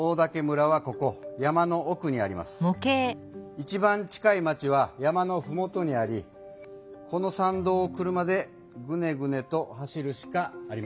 一番近い町は山のふもとにありこのさんどうを車でグネグネと走るしかありません。